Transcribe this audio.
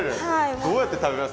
どうやって食べます？